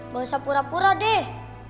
gak usah pura pura deh